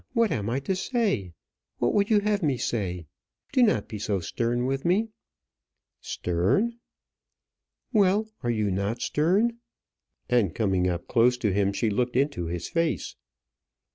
What am I to say? What would you have me say? Do not be so stern with me." "Stern!" "Well, are you not stern?" And coming up close to him, she looked into his face.